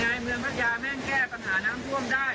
เป็นไงเมืองพัชยาแม่งแก้ปัญหาน้ำควบคุมได้